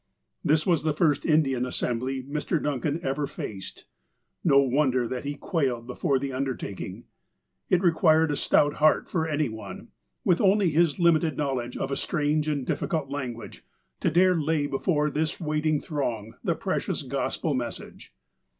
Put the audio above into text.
This was the first Indian assembly Mr. Duncan ever faced. No wonder that he quailed before the undertak ing. It required a stout heart for any one, with only his limited knowledge of a strange and difficult language, to dare lay before this waiting throng the precious Gospel message.